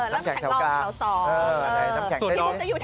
น้ำแข็งลองแถวสอง